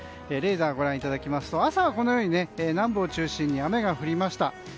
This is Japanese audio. レーダーでご覧いただきますと朝はこのように南部を中心に雨が降りました。